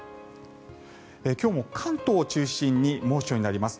今日も関東を中心に猛暑になります。